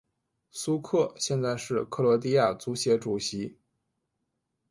苏克现在是克罗地亚足协主席。